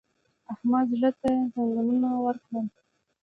احمد زړه ته زنګنونه ورکړل!